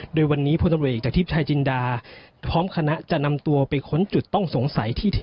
โดยวันนี้พลตำรวจเอกจากทิพย์ชายจินดาพร้อมคณะจะนำตัวไปค้นจุดต้องสงสัยที่